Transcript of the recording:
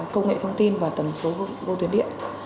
công nghệ thông tin và tần số vô tuyến điện